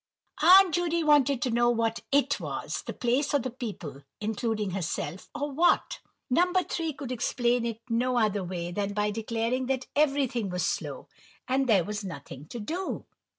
Aunt Judy wanted to know what it was; the place or the people, (including herself,) or what? No. 3 could explain it no other way than by declaring that everything was slow; there was nothing to do.